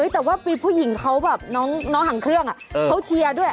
แต่ว่ามีผู้หญิงเขาแบบน้องห่างเครื่องเขาเชียร์ด้วย